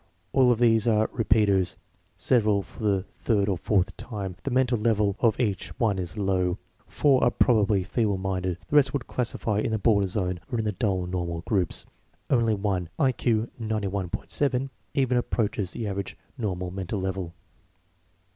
All of these are repeaters, several for the third or fourth time. The mental level of each one is low. Four are probably feeble minded, the rest would classify in the border zone or in the dull normal groups. Only one (I Q 91.7) even approaches the average normal mental level."